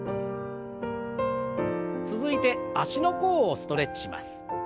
続いて足の甲をストレッチします。